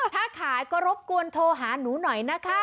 ถ้าขายก็รบกวนโทรหาหนูหน่อยนะคะ